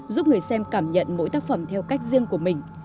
giúp người xem cảm nhận mỗi tác phẩm theo cách riêng của mình